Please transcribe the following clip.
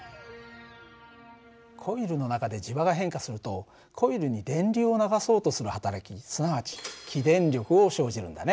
コイルの中で磁場が変化するとコイルに電流を流そうとする働きすなわち起電力を生じるんだね。